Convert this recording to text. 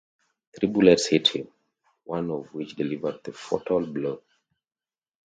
Three bullets hit him, one of which delivered the fatal blow.